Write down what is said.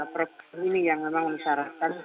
program ini yang memang disyaratkan